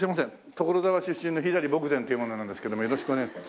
所沢出身の左卜全という者なんですけどもよろしくお願い。